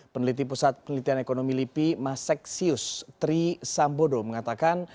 peneliti pusat penelitian ekonomi lipi masaksius tri sambodo mengatakan